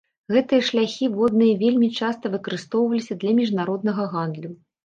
Гэтыя шляхі водныя вельмі часта выкарыстоўваліся для міжнароднага гандлю.